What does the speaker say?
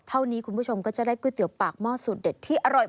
เท่านี้คุณผู้ชมก็จะได้ก๋วยเตี๋ยวปากหม้อสูตรเด็ดที่อร่อย